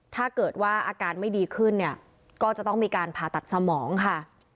ถ้าเกิดว่าอาการไม่ดีขึ้นเนี่ยก็จะต้องมีการผ่าตัดสมองค่ะ